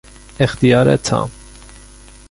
اختیار تام